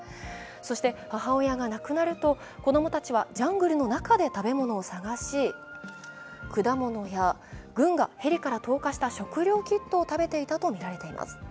そして母親が亡くなると子供たちはジャングルの中で食べ物を探し果物や軍がヘリから投下した食料キットを食べていたとみられています。